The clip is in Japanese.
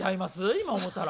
今思うたら。